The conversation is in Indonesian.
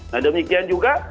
nah demikian juga